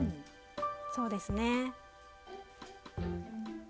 そうですね。